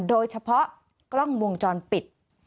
โดยเฉพาะกล้องวงจรปิด